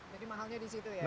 jadi mahalnya di situ ya